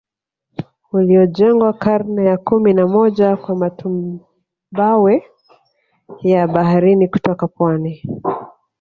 Uliojengwa karne ya kumi na moja kwa matumbawe ya baharini kutoka pwani